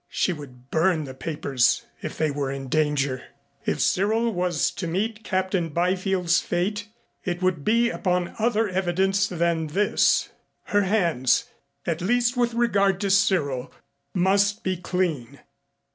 She would burn the papers if they were in danger. If Cyril was to meet Captain Byfield's fate, it would be upon other evidence than this. Her hands, at least with regard to Cyril, must be clean.